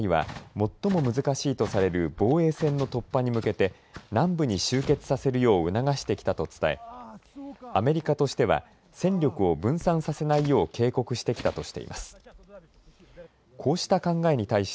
部隊は最も難しいとされる防衛線の突破に向けて南部に集結させるよう促してきたと伝えアメリカとしては戦力を分散させないよう警告してきたとしています。